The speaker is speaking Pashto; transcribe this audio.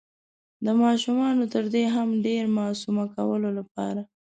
د ماشومانو تر دې هم ډير معصومه کولو لپاره